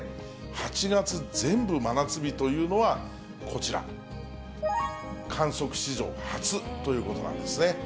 ８月全部真夏日というのは、こちら、観測史上初ということなんですね。